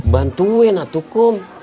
bantuin lah tuh kum